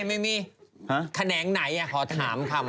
ไม่มีแขนงไหนขอถามคำ